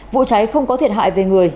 vụ cháy không có thiệt hại về người